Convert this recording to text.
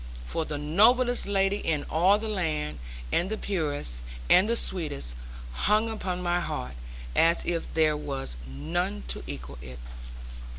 For the noblest lady in all the land, and the purest, and the sweetest hung upon my heart, as if there was none to equal it.